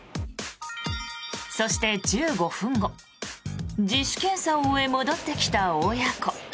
そして、１５分後自主検査を終え戻ってきた親子。